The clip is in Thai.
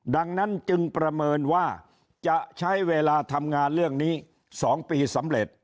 ดังนั้นจึงประเมินว่าจะใช้เวลาทำงานเรื่องนี้๒ปีสำเร็จ